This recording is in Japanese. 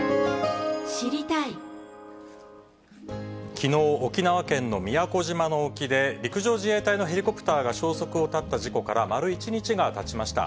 きのう、沖縄県の宮古島の沖で、陸上自衛隊のヘリコプターが消息を絶った事故から丸１日がたちました。